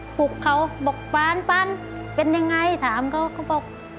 ปลุกเขาบอกปานเป็นอย่างไรถามเขาก็บอก